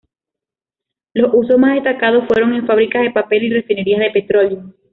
Los usos más destacados fueron en fábricas de papel y refinerías de petróleo.